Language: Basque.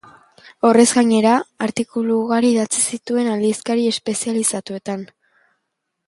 Horrez gainera, artikulu ugari idatzi zituen aldizkari espezializatuetan.